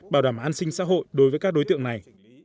bảo đảm an sinh xã hội đối với các đối tượng này